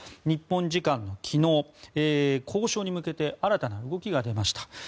日本時間の昨日交渉に向けて新たな動きが出ました。